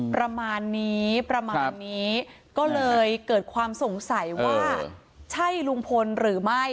ประมาณนี้ประมาณนี้ก็เลยเกิดความสงสัยว่าใช่ลุงพลหรือไม่